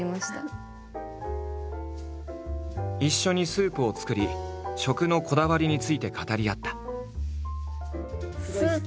一緒にスープを作り食のこだわりについて語り合った。